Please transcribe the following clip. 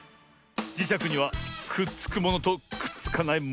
じしゃくにはくっつくものとくっつかないものがある。